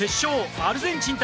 アルゼンチン対